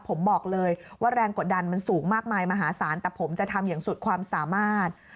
ผมบอกเลยว่าแรงกดดันมันสูงมากมายมหาศาลแต่ผมจะทำอย่างสุดความสามารถ